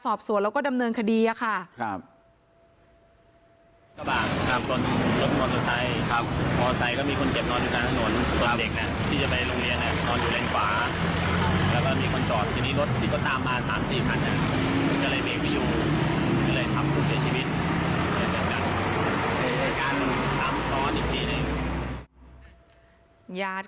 สอบสวนแล้วก็ดำเนินคดีค่ะ